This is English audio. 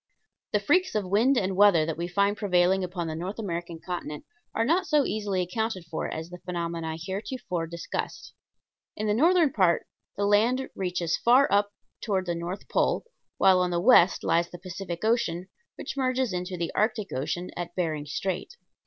The freaks of wind and weather that we find prevailing upon the North American continent are not so easily accounted for as the phenomena heretofore discussed. In the northern part the land reaches far up toward the north pole, while on the west lies the Pacific Ocean, which merges into the Arctic Ocean at Bering Strait.